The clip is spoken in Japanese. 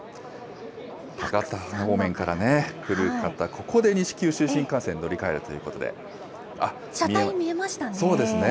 博多方面から来る方、ここで西九州新幹線、乗り換えるということ車体見えましたね。